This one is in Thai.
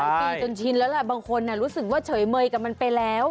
ปีจนชินแล้วแหละบางคนรู้สึกว่าเฉยเมยกับมันไปแล้ว